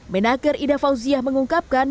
menaker ida fauziah mengungkapkan